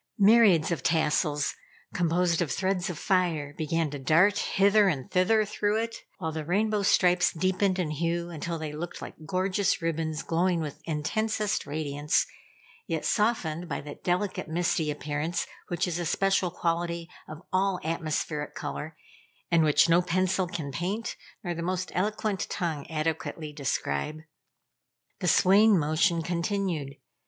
Myriads of tassels, composed of threads of fire, began to dart hither and thither through it, while the rainbow stripes deepened in hue until they looked like gorgeous ribbons glowing with intensest radiance, yet softened by that delicate misty appearance which is a special quality of all atmospheric color, and which no pencil can paint, nor the most eloquent tongue adequately describe. The swaying motion continued.